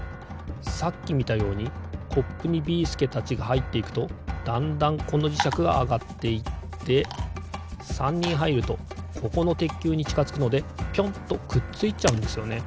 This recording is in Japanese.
さっきみたようにコップにビーすけたちがはいっていくとだんだんこのじしゃくがあがっていって３にんはいるとここのてっきゅうにちかづくのでピョンとくっついちゃうんですよね。